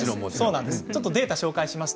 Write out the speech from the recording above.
データをご紹介します。